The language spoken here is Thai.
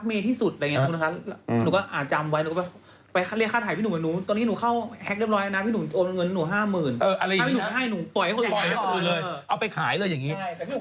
เอาไปขายเลยอย่างอย่างนี้